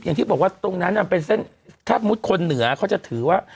อย่างที่บอกว่าตรงนั้นเป็นเส้นถ้ามุติคนเหนือเขาจะถือว่า